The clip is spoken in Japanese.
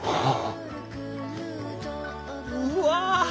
うわ！